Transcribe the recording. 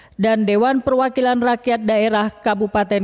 rakyat dan dewan perwakilan rakyat dan dewan perwakilan rakyat dan dewan perwakilan